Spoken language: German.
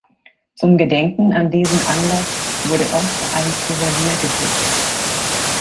Zum Gedenken an diesen Anlass wurde oft ein Souvenir gedruckt.